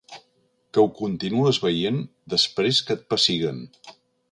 Que ho continues veient després que et pessiguen.